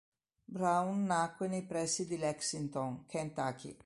Brown nacque nei pressi di Lexington, Kentucky.